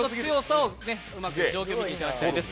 うまく状況を見ていただきたいです。